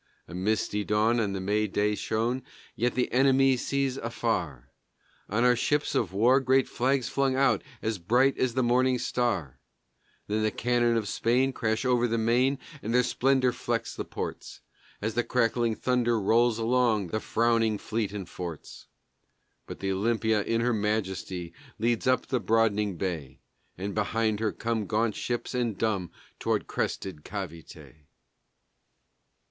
A misty dawn on the May day shone, yet the enemy sees afar On our ships of war great flags flung out as bright as the morning star; Then the cannon of Spain crash over the main and their splendor flecks the ports As the crackling thunder rolls along the frowning fleet and forts; But the Olympia in her majesty leads up the broadening bay And behind her come gaunt ships and dumb toward crested Cavité.